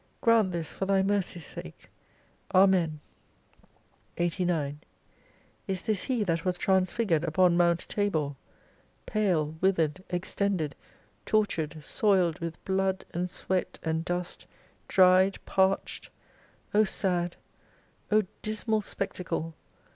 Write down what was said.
Grant this for Thy mercy's sake. Amen ' 89 Is this He that was transfigured upon Mount Tabor ? Pale, withered, extended, tortured, soiled with blood, and sweat, and dust, dried, parched ! O sad, O dismal spectacle